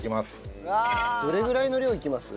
どれぐらいの量いきます？